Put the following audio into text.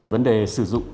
vấn đề sử dụng